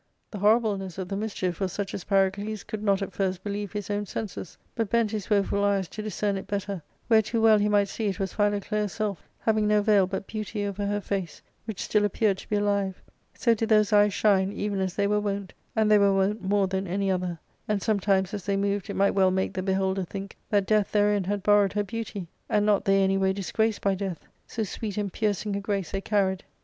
The horribleness of the mischief was such as Pyrocles could not at first believe his own senses, but bent his woeful eyes to discern it better, where too well he might see it was Philoclea's self, having no veil but beauty over her face, which still appeared to be alive ; so did those eyes shine, even as they were wont — and they were wont more than any other — ^and sometimes as they moved it might well make the beholder think that death therein had borrowed her beauty, and not they any way dis graced by death, so sweet and piercing a grace they carried.